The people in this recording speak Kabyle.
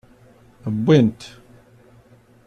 Wwin-t.